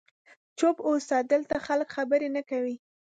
چوپ اوسه، دلته خلک خبرې نه کوي.